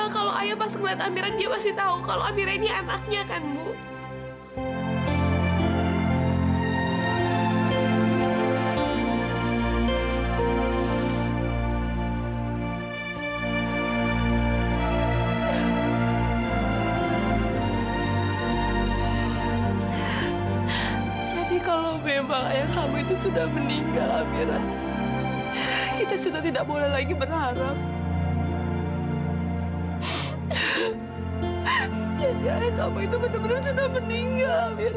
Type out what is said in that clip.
kalau memang ayah udah benar benar meninggal